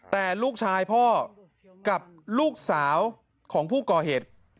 แต่ลูกชายพ่อกับลูกสาวของผู้ก่อเหตุ